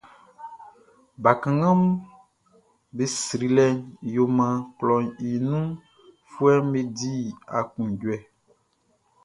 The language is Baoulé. Bakannganʼm be srilɛʼn yo maan klɔʼn i nunfuɛʼm be di aklunjuɛ.